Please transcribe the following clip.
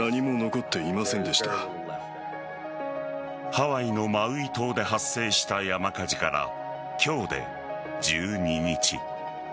ハワイのマウイ島で発生した山火事から、今日で１２日。